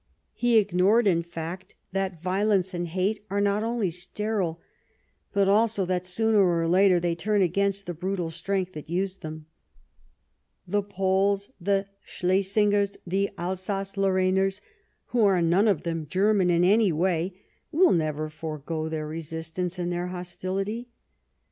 He ignored, in fact, that violence and hate are not only sterile, but also that sooner or later they turn against the brutal strength that used them. The Poles, the Slesingers, the Alsace Lorrainers, who are none of them Ger man in any way, will never forgo their resistance and their hostilit}'.